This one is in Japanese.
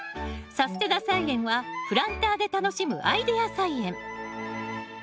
「さすてな菜園」はプランターで楽しむアイデア菜園。